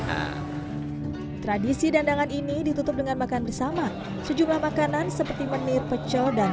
a tradisi dandangan ini ditutup dengan makan bersama sejumlah makanan seperti menir pecel dan